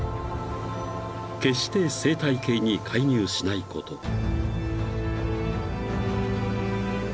［決して生態系に介入しないこと］